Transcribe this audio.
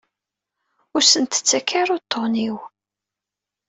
Ur asen-ttak ara uṭṭun-iw.